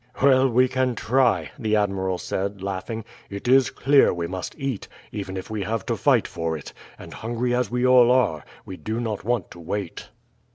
"Well, we can try," the admiral said, laughing; "it is clear we must eat, even if we have to fight for it; and hungry as we all are, we do not want to wait."